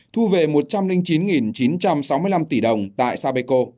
thu về một trăm linh chín chín trăm sáu mươi năm tỷ đồng tại sao beko